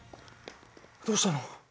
どうしたの？